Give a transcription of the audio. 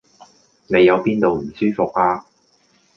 你有邊度唔舒服呀？